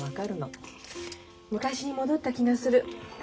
昔に戻った気がする。